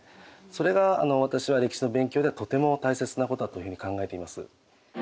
それが私は歴史の勉強ではとても大切なことだというふうに考えています。